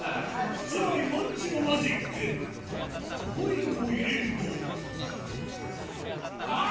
さらにマッチのマジックコインを入れるとあぁ！